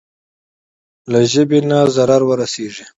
له ژبې نه ضرر ورسېږي.